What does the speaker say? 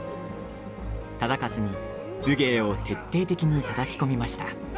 忠勝に武芸を徹底的にたたき込みました。